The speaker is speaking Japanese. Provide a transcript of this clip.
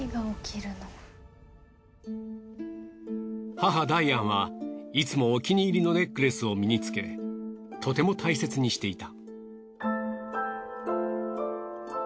母ダイアンはいつもお気に入りのネックレスを身につけとても大切にしていた。